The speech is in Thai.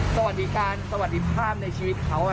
สวัสดีการสวัสดีภาพในชีวิตเขา